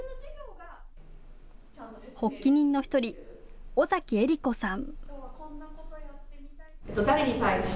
発起人の１人、尾崎えり子さん。